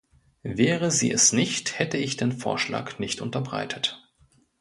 Wäre sie es nicht, hätte ich den Vorschlag nicht unterbreitet.